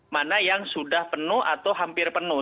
mana yang sudah penuh atau hampir penuh